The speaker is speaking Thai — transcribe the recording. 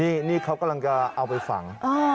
นี่เขากำลังจะเอาไปฝัง